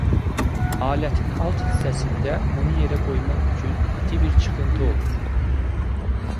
Alətin alt hissəsində onu yerə qoymaq üçün iti bir çıxıntı olur.